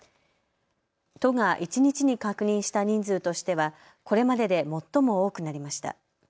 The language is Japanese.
都が一日に確認した人数としてはこれまでで最も多くなりました。